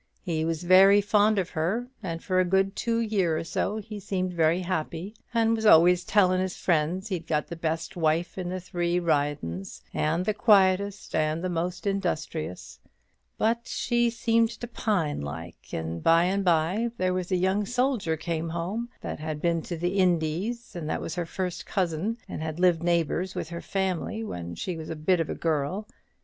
He was very fond of her, and for a good two year or so he seemed very happy, and was allus tellin' his friends he'd got the best wife in the three Ridin's, and the quietest and most industrious; but she seemed to pine like; and by and by there was a young soldier came home that had been to the Indies, and that was her first cousin, and had lived neighbours with her family when she was a bit of a girl.